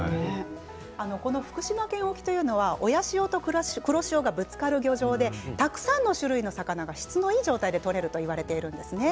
この福島県沖というのは親潮と黒潮がぶつかる漁場でたくさんの種類の魚が質のいい状態で取れると言われているんです。